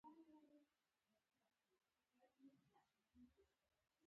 هغه ځای به وګورو چې ویل کېږي د موسی علیه السلام قبر دی.